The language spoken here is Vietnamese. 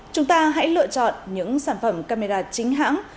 chúng ta hãy lựa chọn những sản phẩm camera chính hãng